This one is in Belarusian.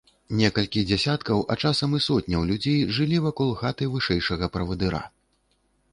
Некалькі дзесяткаў, а часам і сотняў людзей жылі вакол хаты вышэйшага правадыра.